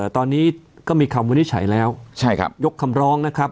ตอนนี้ก็มีคำวินิจฉัยแล้วยกคำร้องนะครับ